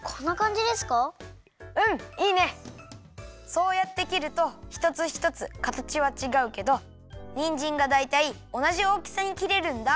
そうやってきるとひとつひとつかたちはちがうけどにんじんがだいたいおなじおおきさにきれるんだ。